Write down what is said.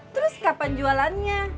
terus kapan jualannya